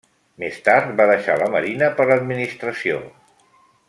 Més tard, va deixar la marina per l'administració.